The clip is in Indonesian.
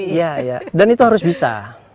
iya dan itu harus bisa